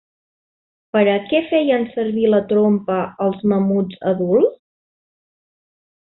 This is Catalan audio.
Per a què feien servir la trompa els mamuts adults?